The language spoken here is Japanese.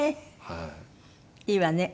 いいわね。